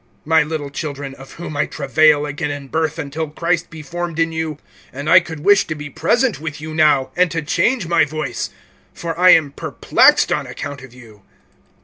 (19)My little children, of whom I travail again in birth, until Christ be formed in you! (20)And I could wish to be present with you now, and to change my voice; for I am perplexed on account of you.